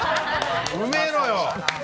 うめーのよ！